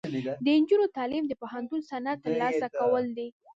د نجونو تعلیم د پوهنتون سند ترلاسه کول دي.